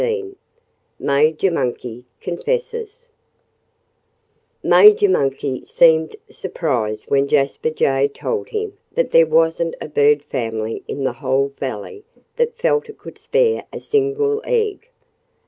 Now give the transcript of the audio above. XVII Major Monkey Confesses Major Monkey seemed surprised when Jasper Jay told him that there wasn't a bird family in the whole valley that felt it could spare a single egg.